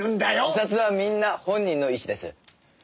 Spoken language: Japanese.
自殺はみんな本人の意思です。